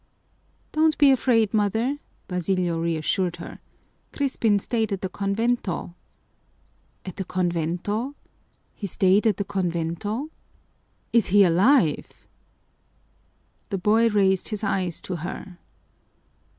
"Don't be afraid, mother," Basilio reassured her. "Crispin stayed at the convento." "At the convento? He stayed at the convento? Is he alive?" The boy raised his eyes to her.